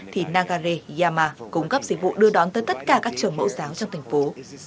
thì nagareyama cung cấp dịch vụ đưa đón tới tất cả các trường mẫu giáo trong thành phố